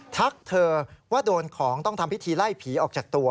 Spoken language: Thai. ทักเธอว่าโดนของต้องทำพิธีไล่ผีออกจากตัว